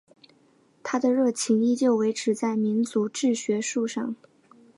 他的热情依旧维持在民族志学术上。